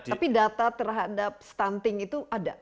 tapi data terhadap stunting itu ada